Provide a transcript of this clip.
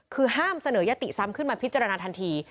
คือห้ามเสนอยติซ้ำขึ้นมาพิจารณาทันที